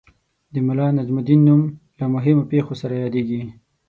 د ملا نجم الدین نوم له مهمو پېښو سره یادیږي.